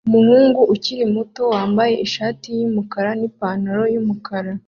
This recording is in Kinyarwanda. Umuhungu ukiri muto wambaye ishati yumukara nipantaro yumukara